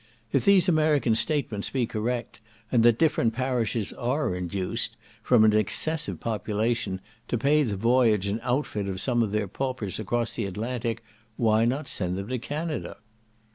If these American statements be correct, and that different parishes are induced, from an excessive population, to pay the voyage and outfit of some of their paupers across the Atlantic, why not send them to Canada?